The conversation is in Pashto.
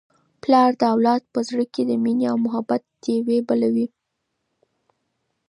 پلار د اولاد په زړه کي د مینې او محبت ډېوې بلوي.